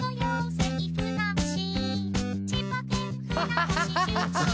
「ハハハハ！